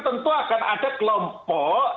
tentu akan ada kelompok